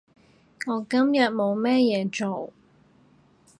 我今日冇咩嘢做